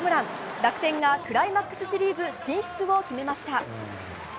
楽天がクライマックスシリーズ進出を決めました。